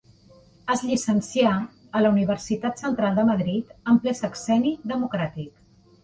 Es llicencià a la Universitat Central de Madrid en ple sexenni democràtic.